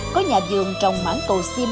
có nhà dường trồng mãn cầu sim